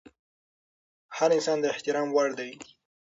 هر انسان د احترام وړ دی.